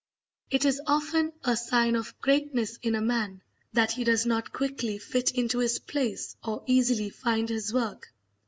It is often a sign of greatness in a man that he does not quickly fit into his place or easily find his work.